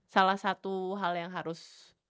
salah satu hal yang harus